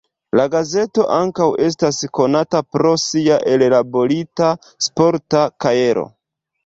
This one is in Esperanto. La gazeto ankaŭ estas konata pro sia ellaborita sporta kajero.